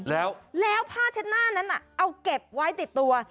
แล้วแล้วผ้าเช็ดหน้านั้นเอาเก็บไว้ติดตัว